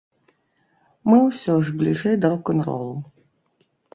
Мы ўсё ж бліжэй да рок-н-ролу.